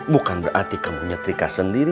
bukan berarti kamu nyetrika sendiri